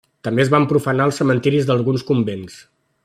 També es van profanar els cementiris d'alguns convents.